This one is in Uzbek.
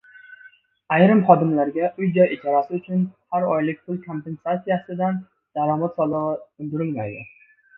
Ayrim xodimlarga uy-joy ijarasi uchun har oylik pul kompensasiyasidan daromad solig‘i undirilmaydi